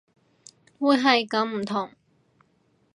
會係咁唔同